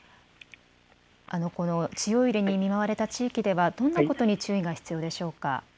強い揺れに見舞われた地域ではどんなことに注意が必要ですか。